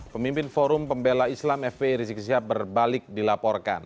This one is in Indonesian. pemimpin forum pembela islam fpi rizik sihab berbalik dilaporkan